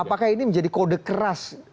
apakah ini menjadi kode keras